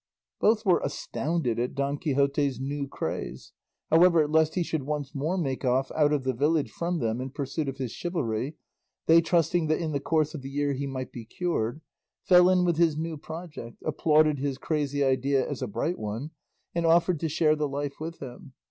Both were astounded at Don Quixote's new craze; however, lest he should once more make off out of the village from them in pursuit of his chivalry, they trusting that in the course of the year he might be cured, fell in with his new project, applauded his crazy idea as a bright one, and offered to share the life with him.